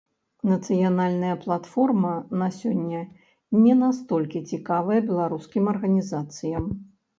Нацыянальная платформа на сёння не настолькі цікавая беларускім арганізацыям.